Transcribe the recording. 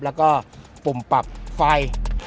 แล้วก็ปุ่มปรับไฟ